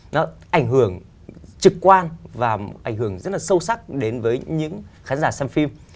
nó ảnh hưởng trực quan và ảnh hưởng rất là sâu sắc đến với những khán giả xem phim